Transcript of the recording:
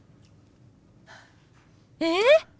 えっ！？